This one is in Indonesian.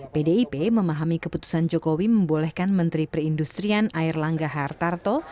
pdip memahami keputusan jokowi membolehkan menteri perindustrian erlangga hartarto